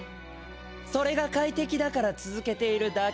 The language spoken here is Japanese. それがかいてきだからつづけているだけさ。